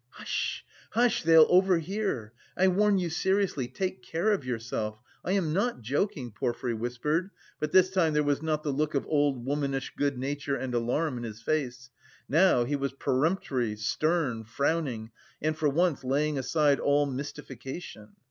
"Hush! Hush! They'll overhear! I warn you seriously, take care of yourself. I am not joking," Porfiry whispered, but this time there was not the look of old womanish good nature and alarm in his face. Now he was peremptory, stern, frowning and for once laying aside all mystification.